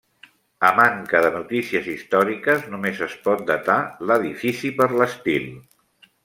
A manca de notícies històriques, només es pot datar l'edifici per l'estil.